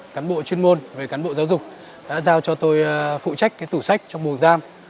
cán bộ chuyên môn về cán bộ giáo dục đã giao cho tôi phụ trách tủ sách trong mùa gian